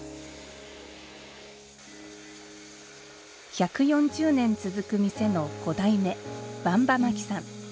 １４０年続く店の５代目馬場麻紀さん。